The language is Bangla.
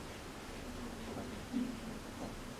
শুধু বলছি, দেখে আমার এমনটাই মনে হয়েছে।